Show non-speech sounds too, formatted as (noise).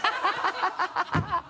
ハハハ (laughs)